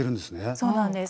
そうなんです。